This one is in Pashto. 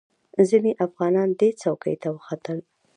ځینې افغانان دې څوکې ته وختل.